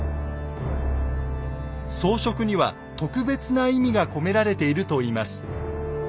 装飾には特別な意味が込められているといいます。